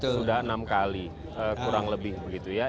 sudah enam kali kurang lebih begitu ya